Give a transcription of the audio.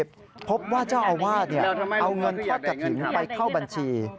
พบว่าเจ้าอาวาสเอาเงินทอดกระถิ่นไปเข้าบัญชี